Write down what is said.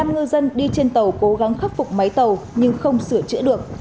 một mươi ngư dân đi trên tàu cố gắng khắc phục máy tàu nhưng không sửa chữa được